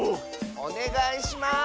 おねがいします！